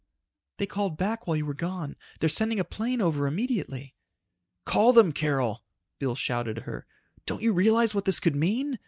"They called back while you were gone. They're sending a plane over immediately." "Call them, Carol!" Bill shouted at her. "Don't you realize what this could mean?